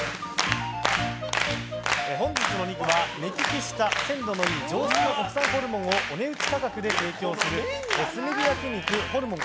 本日のお肉は目利きした鮮度のいい上質な国産ホルモンをお値打ち価格で提供する炭火焼肉ホルモン